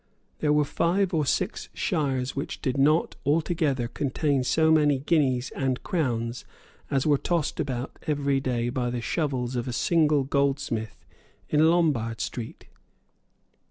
There were five or six shires which did not altogether contain so many guineas and crowns as were tossed about every day by the shovels of a single goldsmith in Lombard Street.